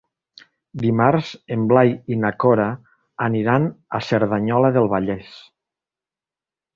Dimarts en Blai i na Cora aniran a Cerdanyola del Vallès.